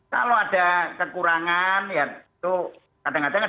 kalau ada kekurangan ya itu kadang kadang ada sekolah yang ya ya